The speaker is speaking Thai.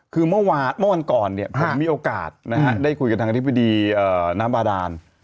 คือเมื่อวันก่อนเนี่ยผมมีโอกาสนะฮะได้คุยกับทางอธิบดีน้ำบาดาน